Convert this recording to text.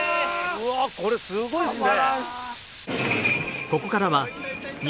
うわこれすごいですね！